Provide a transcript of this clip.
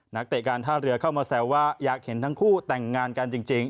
นักเตะการท่าเรือเข้ามาแซวว่าอยากเห็นทั้งคู่แต่งงานกันจริง